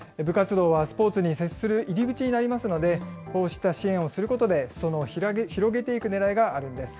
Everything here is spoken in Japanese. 部活動はスポーツに接する入り口になりますので、こうした支援をすることで、すそ野を広げていくねらいがあるんです。